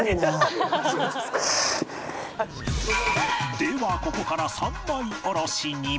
ではここから三枚おろしに